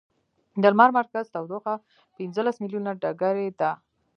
د لمر مرکز تودوخه پنځلس ملیونه ډګري ده.